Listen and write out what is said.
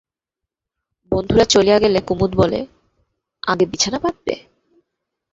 বন্ধুরা চলিয়া গেলে কুমুদ বলে, আগে বিছানা পাতবে?